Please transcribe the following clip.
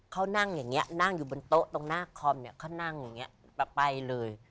เขานั่งอย่างนี้นั่งอยู่บนโต๊ะตรงหน้าคอมเนี่ยเขานั่งอย่างนี้แบบไปเลย